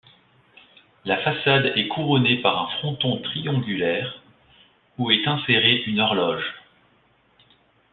La façade est couronnée par un fronton triangulaire, où est insérée une horloge.